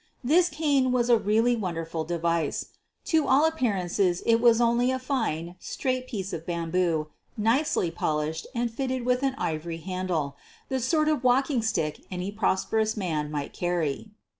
This cane was a really wonderful device. To all appearances it was only a fine, straight piece of bamboo, nicely polished and fitted with an ivory handle — the sort of walking stick any prosperous man might carry.